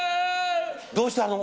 どうしたの？